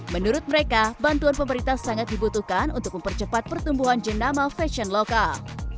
menurut mereka bantuan pemerintah sangat dibutuhkan untuk mempercepat pertumbuhan jenama fashion lokal